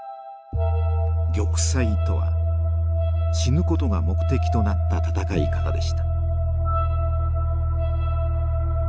玉砕とは死ぬことが目的となった戦い方でした。